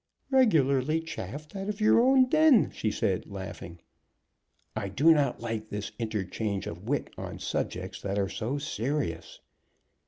"Regularly chaffed out of your own den!" she said, laughing. "I do not like this interchange of wit on subjects that are so serious."